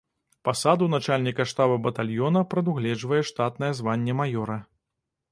Пасаду начальніка штаба батальёна прадугледжвае штатнае званне маёра.